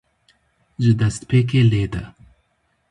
Ji destpêkê lêde.